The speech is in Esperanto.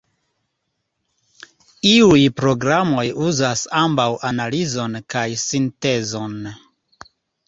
Iuj programoj uzas ambaŭ analizon kaj sintezon.